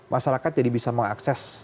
masyarakat jadi bisa mengakses